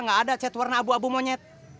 gak ada cat warna abu abu monyet